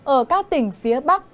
ở các tỉnh phía bắc